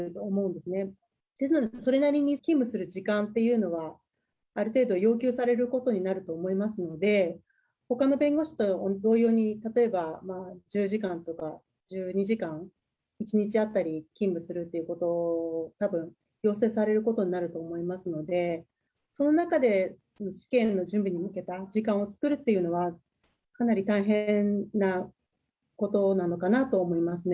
ですので、それなりに勤務する時間というのは、ある程度要求されることになると思いますので、ほかの弁護士と同様に、例えば１０時間とか１２時間、１日当たり勤務するということがたぶん、予想されることになると思いますので、その中で試験の準備に向けた時間を作るっていうのは、かなり大変なことなのかなと思いますね。